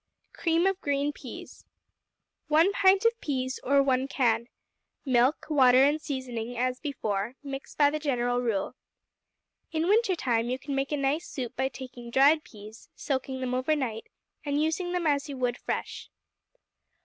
Cream of Green Peas 1 pint of peas, or one can. Milk, water, and seasoning, as before; mix by the general rule. In winter time you can make a nice soup by taking dried peas, soaking them overnight, and using them as you would fresh.